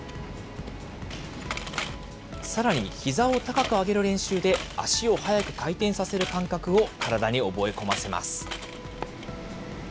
さらにひざを高く上げる練習で、足を速く回転させる感覚を体に覚え込ませます。